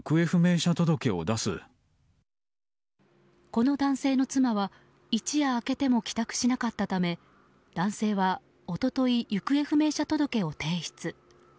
この男性の妻は一夜明けても帰宅しなかったため男性は一昨日行方不明者届を提出。